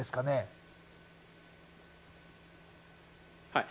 はい。